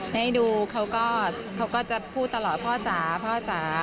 ให้ดูเขาก็จะพูดตลอดพ่อจ๋าพ่อจ๋า